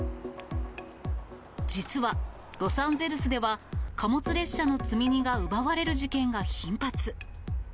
実は、ロサンゼルスでは貨物列車の積み荷が奪われる事件が頻発。